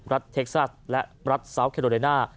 รัฐเท็กซาสและรัฐซาวท์แคะโรแลน่า